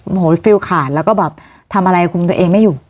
โอ้โหฟิลขาดแล้วก็แบบทำอะไรคุมตัวเองไม่อยู่